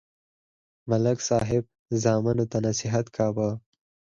ملک صاحب زامنو ته نصیحت کاوه.